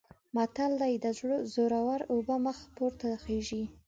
متل دی: د زورو اوبه مخ پورته خیژي.